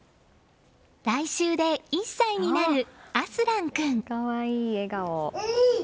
来週で１歳になるアスラン君。